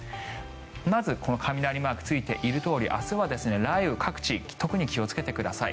まず雷マークがついているとおり明日は雷雨、各地特に気をつけてください。